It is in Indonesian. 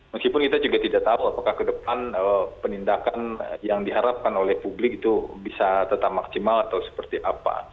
meskipun kita juga tidak tahu apakah ke depan penindakan yang diharapkan oleh publik itu bisa tetap maksimal atau seperti apa